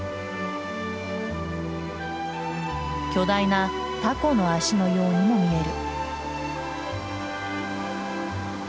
巨大なタコの足のようにも見える。